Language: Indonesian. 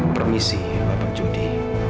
permisi bapak judi